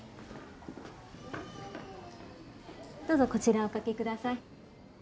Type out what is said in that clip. どうぞこちらおかけください。